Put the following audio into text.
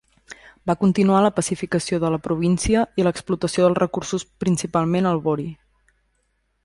Va continuar la pacificació de la província i l'explotació dels recursos principalment el vori.